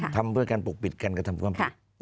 ทำเพื่อการปกปิดการกระทำความผิด